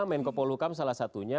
menko polukam salah satunya